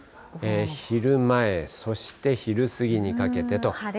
昼前、そして昼過ぎにかけてと。